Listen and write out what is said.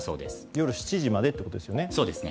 夜７時までということですよね。